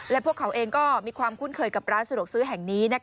และพวกเขาเองก็มีความคุ้นเคยกับร้านสะดวกซื้อแห่งนี้